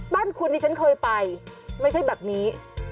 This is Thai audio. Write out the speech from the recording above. บ้านคุณที่ฉันเคยไปไม่ใช่แบบนี้